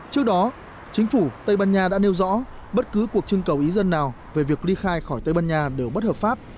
trước đó chính phủ tây ban nha đã nêu rõ bất cứ cuộc trưng cầu ý dân nào về việc ly khai khỏi tây ban nha đều bất hợp pháp